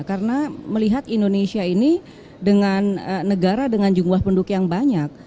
karena melihat indonesia ini dengan negara dengan jumlah penduk yang banyak